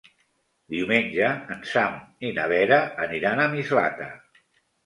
Diumenge en Sam i na Vera aniran a Mislata.